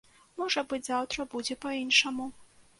Можа быць, заўтра будзе па-іншаму.